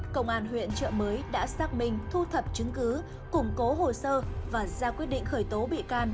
công an huyện trợ mới đã xác minh thu thập chứng cứ củng cố hồ sơ và ra quyết định khởi tố bị can